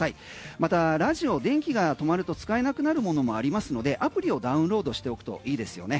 またラジオ、電気が止まると使えなくなるものもありますのでアプリをダウンロードしておくといいですよね。